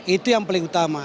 itu yang paling utama